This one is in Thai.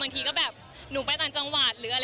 บางทีก็แบบหนูไปต่างจังหวัด